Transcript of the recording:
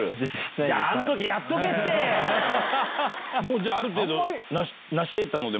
じゃあある程度成し得たので。